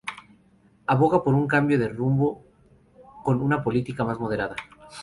Aboga por un cambio de rumbo con una política más moderada.